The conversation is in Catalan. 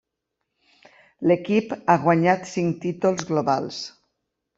L'equip ha guanyat cinc títols globals.